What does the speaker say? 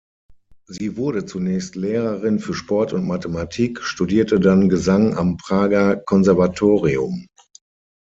Sie wurde zunächst Lehrerin für Sport und Mathematik, studierte dann Gesang am Prager Konservatorium.